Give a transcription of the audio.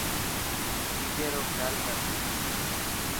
ٻيجي رو کيال ڪر.